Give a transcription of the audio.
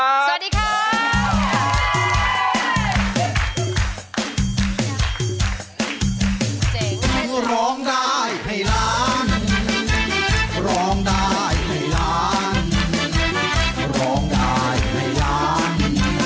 สวัสดีค่ะ